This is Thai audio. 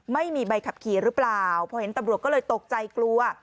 ไม่มีใบขับขี่หรือเปล่าพอเห็นตำรวจก็เลยตกใจกลัว